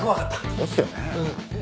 そうっすよねえ。